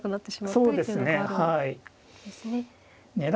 そうですねはい。